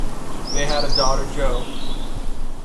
They had a daughter Jo.